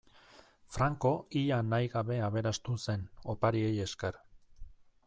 Franco ia nahi gabe aberastu zen, opariei esker.